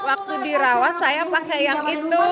waktu dirawat saya pakai yang itu